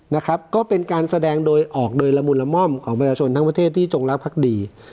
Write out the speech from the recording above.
นะครับก็เป็นการแสดงโดยออกโดยละมุนละม่อมของประชาชนทั้งประเทศที่จงรักภักดี